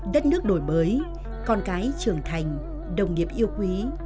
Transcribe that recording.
đất nước đổi mới con cái trưởng thành đồng nghiệp yêu quý